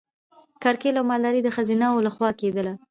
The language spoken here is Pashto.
کرکیله او مالداري د ښځینه وو لخوا کیدله.